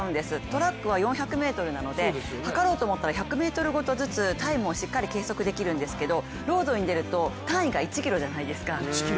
トラックは４００ｍなので測ろうと思ったら、１００ｍずつタイムをしっかり計測できるんですけれども、ロードに出ると単位が１ｋｍじゃないですか。